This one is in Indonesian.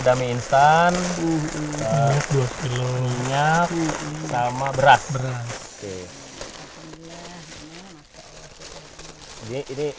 dan dulu kita dulu minyak sama berat berat